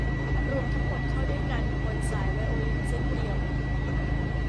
รวมทั้งหมดเข้าด้วยกันบนสายไวโอลินเส้นเดียว